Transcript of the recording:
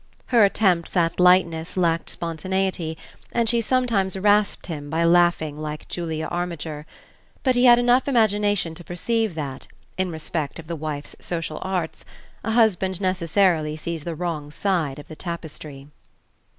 Her attempts at lightness lacked spontaneity, and she sometimes rasped him by laughing like Julia Armiger; but he had enough imagination to perceive that, in respect of the wife's social arts, a husband necessarily sees the wrong side of the tapestry.